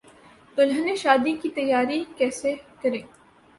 دلہنیں شادی کی تیاری کیسے کریں